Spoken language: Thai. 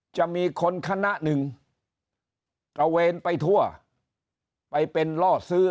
จะมีคนคณะหนึ่งตระเวนไปทั่วไปเป็นล่อซื้อ